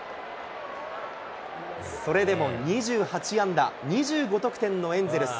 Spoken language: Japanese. それでも２８安打、２５得点のエンゼルス。